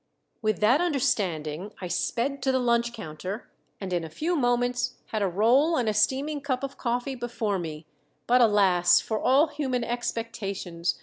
With that understanding I sped to the lunch counter, and in a few moments had a roll and a steaming cup of coffee before me; but, alas for all human expectations!